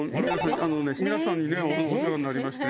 皆さんにねお世話になりまして。